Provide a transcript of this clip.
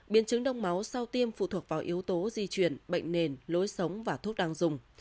biến chứng đông máu sau tiêm phụ thuộc vào yếu tố di chuyển bệnh nền lối sống và thuốc đang dùng